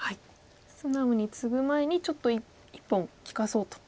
素直にツグ前にちょっと１本利かそうと。